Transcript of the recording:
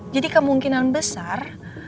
jadi kemungkinan besar